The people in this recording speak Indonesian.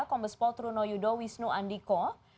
kombes pol truno yudo wisnu andiko